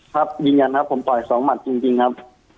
ครับยืนยันครับผมต่อยสองหมัดจริงครับ